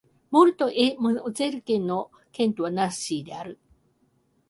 ムルト＝エ＝モゼル県の県都はナンシーである